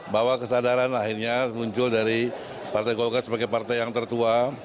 bahwa kesadaran akhirnya muncul dari partai golkar sebagai partai yang tertua